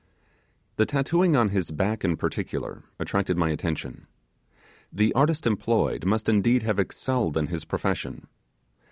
The tattooing on his back in particular attracted my attention. The artist employed must indeed have excelled in his profession.